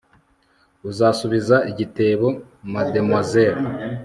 Uzasubiza igitebo Mademoiselle